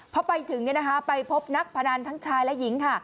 พอไปถึงเนี่ยนะคะไปพบนักพนันทั้งชายและหญิงค่ะ